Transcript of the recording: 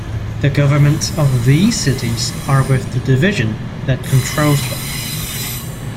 The governments of these cities are with the division that controls them.